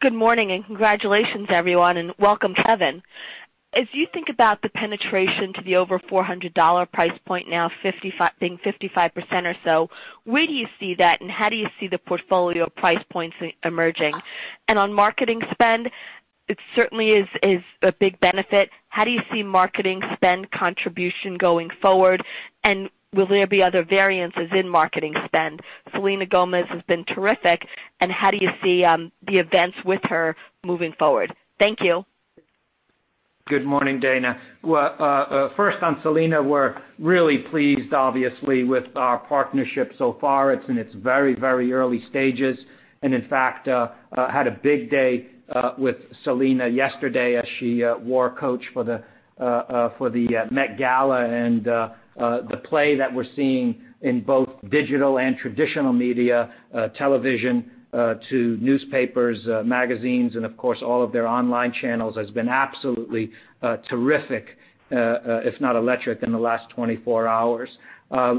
Good morning, congratulations, everyone, and welcome, Kevin. As you think about the penetration to the over $400 price point now being 55% or so, where do you see that, how do you see the portfolio price points emerging? On marketing spend, it certainly is a big benefit. How do you see marketing spend contribution going forward, will there be other variances in marketing spend? Selena Gomez has been terrific, how do you see the events with her moving forward? Thank you. Good morning, Dana. First, on Selena, we're really pleased, obviously, with our partnership so far. It's in its very early stages. In fact, had a big day with Selena yesterday as she wore Coach for the Met Gala. The play that we're seeing in both digital and traditional media, television, to newspapers, magazines, and of course, all of their online channels, has been absolutely terrific, if not electric in the last 24 hours.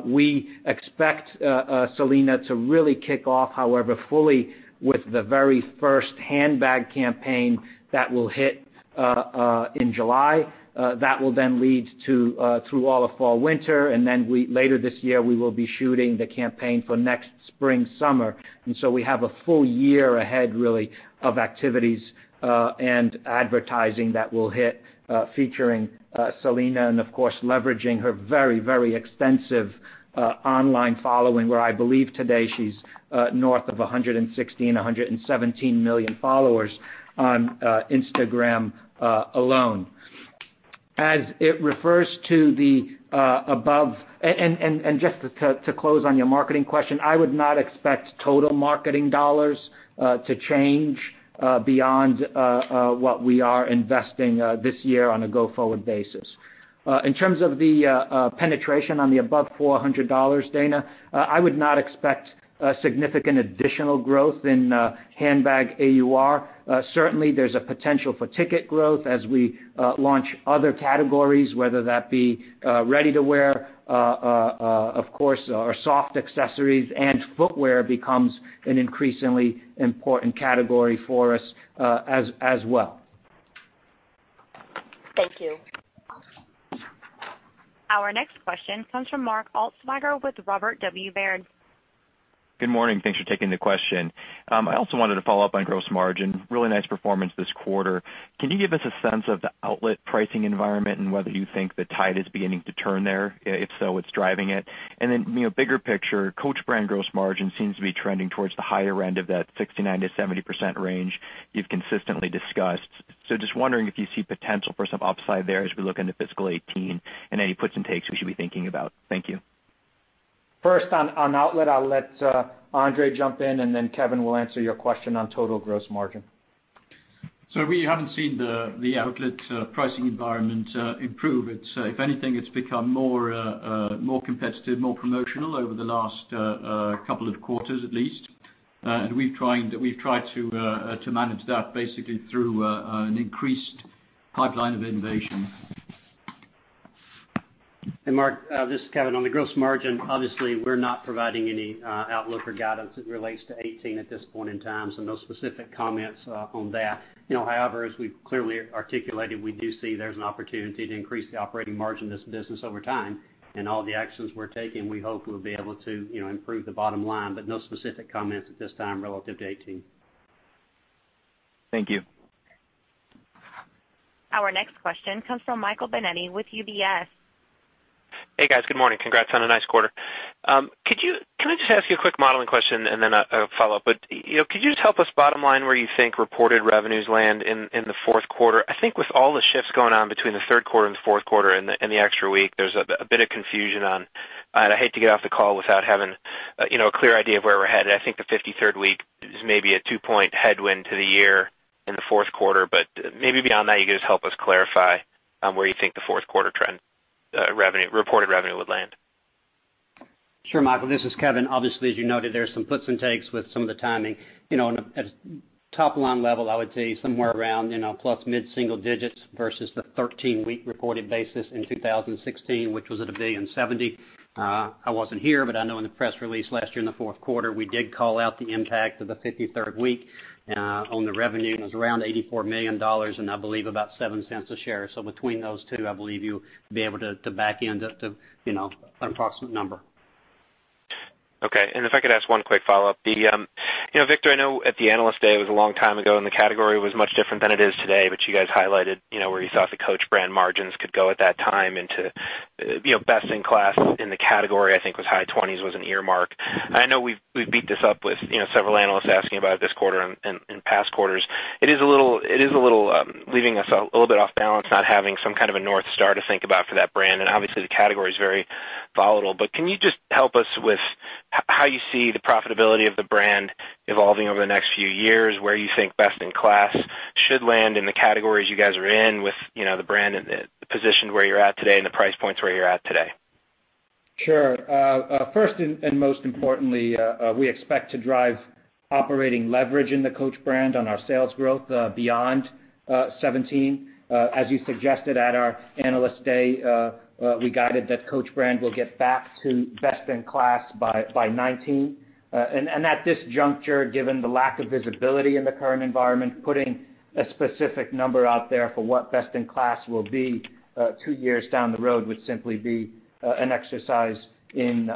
We expect Selena to really kick off, however, fully with the very first handbag campaign that will hit in July. That will then lead through all of fall/winter. Later this year, we will be shooting the campaign for next spring/summer. We have a full year ahead, really, of activities, and advertising that will hit, featuring Selena and, of course, leveraging her very extensive online following, where I believe today she's north of 117 million followers on Instagram alone. As it refers to the above, and just to close on your marketing question, I would not expect total marketing dollars to change beyond what we are investing this year on a go-forward basis. In terms of the penetration on the above $400, Dana, I would not expect significant additional growth in handbag AUR. Certainly, there's a potential for ticket growth as we launch other categories, whether that be ready-to-wear, of course, or soft accessories, and footwear becomes an increasingly important category for us as well. Thank you. Our next question comes from Mark Altschwager with Robert W. Baird. Good morning. Thanks for taking the question. I also wanted to follow up on gross margin. Really nice performance this quarter. Can you give us a sense of the outlet pricing environment and whether you think the tide is beginning to turn there? If so, what's driving it? Bigger picture, Coach brand gross margin seems to be trending towards the higher end of that 69%-70% range you've consistently discussed. Just wondering if you see potential for some upside there as we look into fiscal 2018 and any puts and takes we should be thinking about. Thank you. First, on outlet, I'll let Andre jump in. Kevin will answer your question on total gross margin. We haven't seen the outlet pricing environment improve. If anything, it's become more competitive, more promotional over the last couple of quarters at least. We've tried to manage that basically through an increased pipeline of innovation. Mark, this is Kevin. On the gross margin, obviously, we're not providing any outlook or guidance as it relates to 2018 at this point in time, no specific comments on that. However, as we've clearly articulated, we do see there's an opportunity to increase the operating margin of this business over time. All the actions we're taking, we hope will be able to improve the bottom line, but no specific comments at this time relative to 2018. Thank you. Our next question comes from Michael Binetti with UBS. Hey, guys. Good morning. Congrats on a nice quarter. Can I just ask you a quick modeling question and then a follow-up? Could you just help us bottom line where you think reported revenues land in the fourth quarter? I think with all the shifts going on between the third quarter and the fourth quarter and the extra week, there's a bit of confusion. I'd hate to get off the call without having a clear idea of where we're headed. I think the 53rd week is maybe a two-point headwind to the year in the fourth quarter. Maybe beyond that, you could just help us clarify where you think the fourth quarter trend reported revenue would land. Sure, Michael, this is Kevin. Obviously, as you noted, there's some puts and takes with some of the timing. At top line level, I would say somewhere around plus mid-single digits versus the 13-week reported basis in 2016, which was at $1.07 billion. I wasn't here, but I know in the press release last year in the fourth quarter, we did call out the impact of the 53rd week on the revenue. It was around $84 million, and I believe about $0.07 a share. Between those two, I believe you'll be able to back end the approximate number. Okay. If I could ask one quick follow-up. Victor, I know at the Analyst Day, it was a long time ago, and the category was much different than it is today, but you guys highlighted where you thought the Coach brand margins could go at that time into best in class in the category, I think was high 20s was an earmark. I know we've beat this up with several analysts asking about it this quarter and past quarters. It is leaving us a little bit off balance, not having some kind of a North Star to think about for that brand. Obviously, the category is very volatile. Can you just help us with how you see the profitability of the brand evolving over the next few years, where you think best in class should land in the categories you guys are in with the brand and the position where you're at today and the price points where you're at today? Sure. First and most importantly, we expect to drive operating leverage in the Coach brand on our sales growth beyond 2017. As you suggested at our Analyst Day, we guided that Coach brand will get back to best in class by 2019. At this juncture, given the lack of visibility in the current environment, putting a specific number out there for what best in class will be two years down the road would simply be an exercise in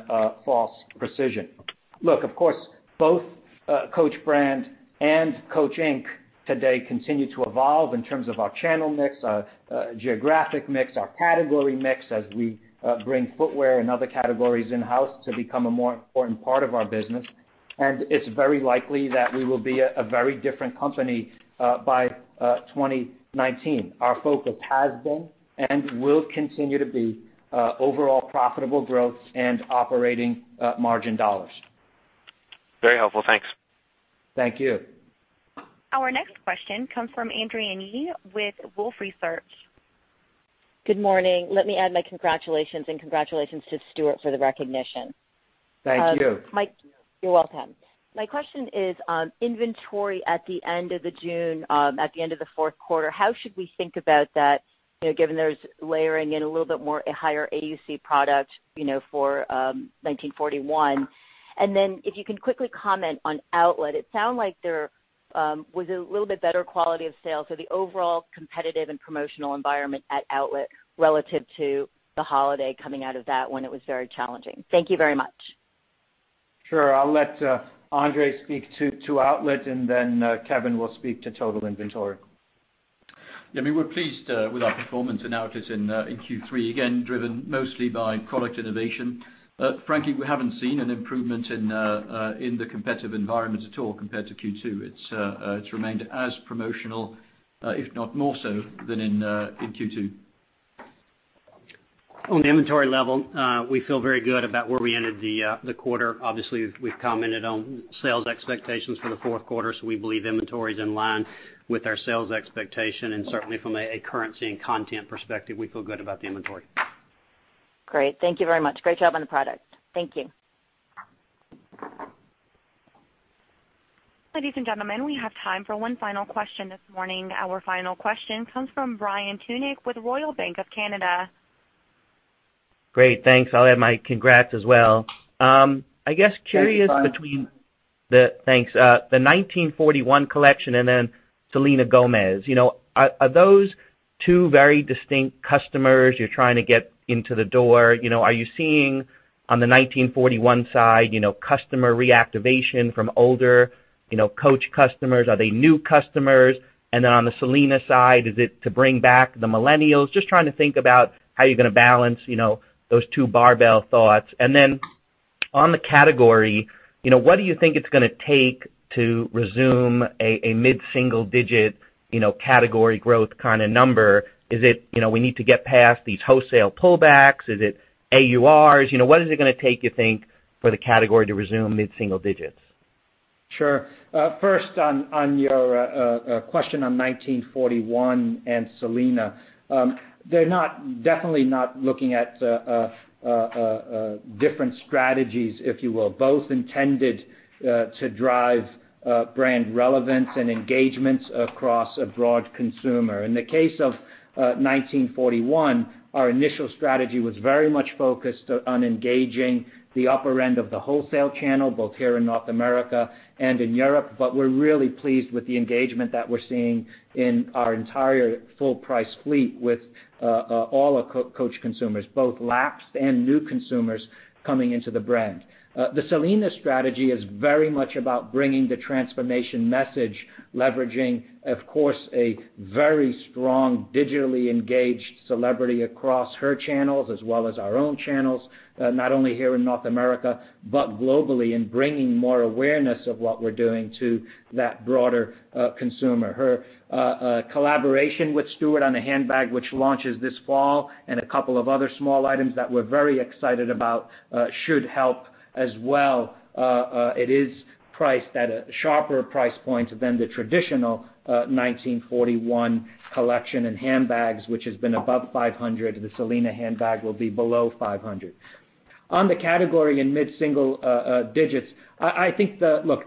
false precision. Of course, both Coach brand and Coach, Inc. today continue to evolve in terms of our channel mix, our geographic mix, our category mix as we bring footwear and other categories in-house to become a more important part of our business. It's very likely that we will be a very different company by 2019. Our focus has been and will continue to be overall profitable growth and operating margin dollars. Very helpful. Thanks. Thank you. Our next question comes from Adrienne Yih with Wolfe Research. Good morning. Let me add my congratulations and congratulations to Stuart for the recognition. Thank you. You're welcome. My question is on inventory at the end of the June, at the end of the fourth quarter. How should we think about that, given there's layering in a little bit more higher AUC product for 1941? If you can quickly comment on outlet. It sounded like there was a little bit better quality of sales. The overall competitive and promotional environment at outlet relative to the holiday coming out of that one, it was very challenging. Thank you very much. Sure. I'll let Andre speak to outlet, and then Kevin will speak to total inventory. Yeah, we were pleased with our performance in outlets in Q3, again, driven mostly by product innovation. Frankly, we haven't seen an improvement in the competitive environment at all compared to Q2. It's remained as promotional, if not more so than in Q2. On the inventory level, we feel very good about where we ended the quarter. Obviously, we've commented on sales expectations for the fourth quarter. We believe inventory is in line with our sales expectation, and certainly from a currency and content perspective, we feel good about the inventory. Great. Thank you very much. Great job on the product. Thank you. Ladies and gentlemen, we have time for one final question this morning. Our final question comes from Brian Tunick with Royal Bank of Canada. Great, thanks. I'll add my congrats as well. I guess curious between- Thanks Thanks, the 1941 collection and Selena Gomez. Are those two very distinct customers you're trying to get into the door? Are you seeing on the 1941 side customer reactivation from older Coach customers? Are they new customers? On the Selena side, is it to bring back the millennials? Just trying to think about how you're going to balance those two barbell thoughts. On the category, what do you think it's going to take to resume a mid-single digit category growth kind of number? Is it we need to get past these wholesale pullbacks? Is it AURs? What is it going to take, you think, for the category to resume mid-single digits? Sure. First on your question on 1941 and Selena. They're definitely not looking at different strategies, if you will. Both intended to drive brand relevance and engagements across a broad consumer. In the case of 1941, our initial strategy was very much focused on engaging the upper end of the wholesale channel, both here in North America and in Europe. We're really pleased with the engagement that we're seeing in our entire full-price fleet with all our Coach consumers, both lapsed and new consumers coming into the brand. The Selena strategy is very much about bringing the transformation message, leveraging, of course, a very strong digitally engaged celebrity across her channels as well as our own channels, not only here in North America, but globally, and bringing more awareness of what we're doing to that broader consumer. Her collaboration with Stuart on a handbag, which launches this fall, and a couple of other small items that we're very excited about should help as well. It is priced at a sharper price point than the traditional 1941 collection and handbags, which has been above $500. The Selena handbag will be below $500. On the category in mid-single digits, I think, look,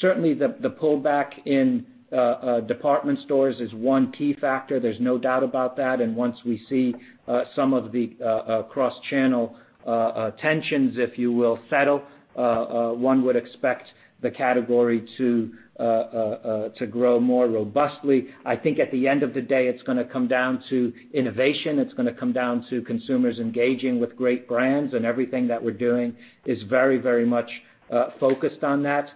certainly the pullback in department stores is one key factor. There's no doubt about that. Once we see some of the cross-channel tensions, if you will, settle, one would expect the category to grow more robustly. I think at the end of the day, it's going to come down to innovation. It's going to come down to consumers engaging with great brands, and everything that we're doing is very much focused on that.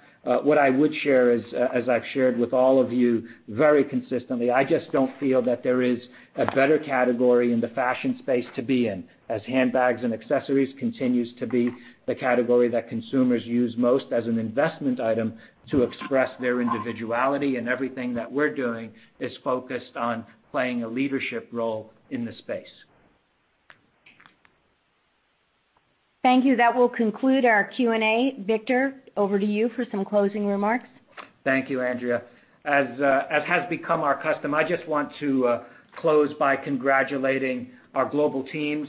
What I would share is, as I've shared with all of you very consistently, I just don't feel that there is a better category in the fashion space to be in, as handbags and accessories continues to be the category that consumers use most as an investment item to express their individuality. Everything that we're doing is focused on playing a leadership role in the space. Thank you. That will conclude our Q&A. Victor, over to you for some closing remarks. Thank you, Andrea. As has become our custom, I just want to close by congratulating our global teams,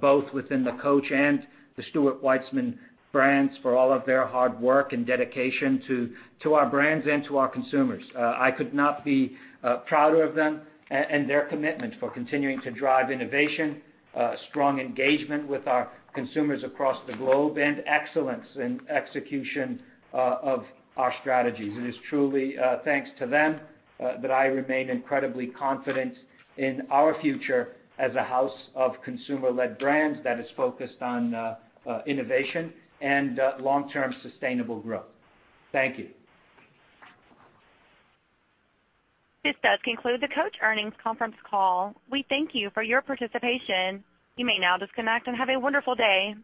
both within the Coach and the Stuart Weitzman brands, for all of their hard work and dedication to our brands and to our consumers. I could not be prouder of them and their commitment for continuing to drive innovation, strong engagement with our consumers across the globe, and excellence in execution of our strategies. It is truly thanks to them that I remain incredibly confident in our future as a house of consumer-led brands that is focused on innovation and long-term sustainable growth. Thank you. This does conclude the Coach earnings conference call. We thank you for your participation. You may now disconnect and have a wonderful day.